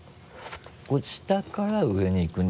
これ下から上にいくんだ。